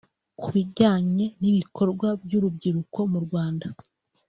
Ku bijyanye n’ibikorwa by’urubyiruko mu Rwanda